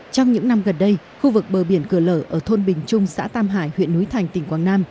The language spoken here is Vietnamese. trong những năm gần đây khu vực bờ biển cửa lở ở thôn bình trung xã tam hải huyện núi thành tỉnh quảng nam